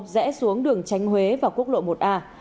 rẽ xuống đường tránh huế và quốc lộ một a